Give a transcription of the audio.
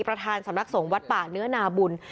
ประธานสำนักสงฆ์วัดป่าเนื้อนาบุญ